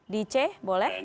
di c boleh